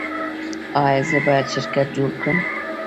ایا زه باید شرکت جوړ کړم؟